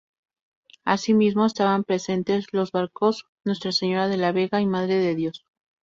Asimismo, estaban presentes los barcos "Nuestra Señora de la Vega" y "Madre de Dios".